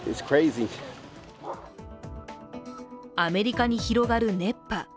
アメリカに広がる熱波。